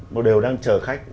một đều đang chờ khách